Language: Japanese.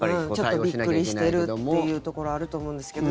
ちょっとびっくりしてるっていうところあると思うんですけど。